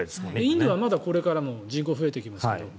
インドはこれから人口が増えていきますけど。